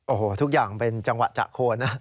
โอ้โหทุกอย่างเป็นจังหวะจะโคนนะ